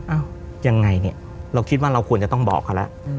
ยังไงเนี่ยเราคิดว่าเราควรจะต้องบอกเขาแล้ว